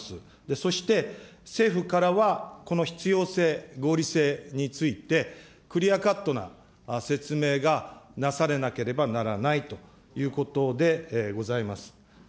そして、政府からはこの必要性、合理性について、クリアカットな説明がなされなければならないということでございます。